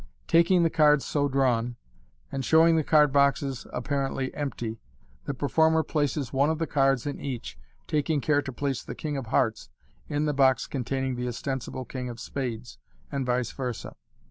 Taking the cards so drawn, and showing the card boxes apparently empty, the performer places one of the cards in each, taking care to place the king of hearts in the box containing the ostensible king of spades, and vice versd.